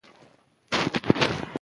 په دې وخت کي کوم نظام واکمن و؟